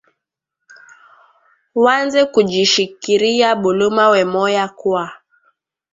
Wanze kuji shikiria buluma wemoya kwa